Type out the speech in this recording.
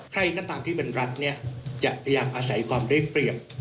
ใครก็ตามที่เป็นรัฐจะพยายามอาศัยความเรียบเปรียบ